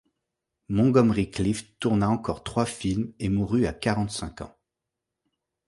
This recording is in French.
Montgomery Clift tourna encore trois films et mourut à quarante-cinq ans.